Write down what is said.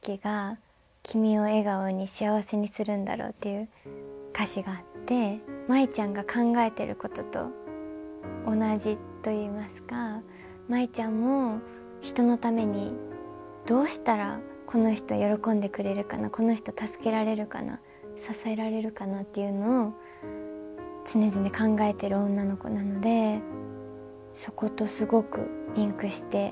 っていう歌詞があって舞ちゃんが考えてることと同じといいますか舞ちゃんも人のためにどうしたらこの人喜んでくれるかなこの人助けられるかな支えられるかなっていうのを常々考えてる女の子なのでそことすごくリンクして。